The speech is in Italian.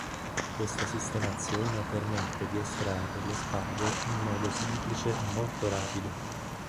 Questa sistemazione permette di estrarre le spade in modo semplice e molto rapido.